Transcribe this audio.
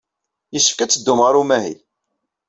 Yessefk ad teddum ɣer umahil.